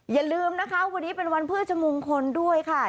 อย่าลืมนะคะวันนี้เป็นวันพฤชมงคลด้วยค่ะ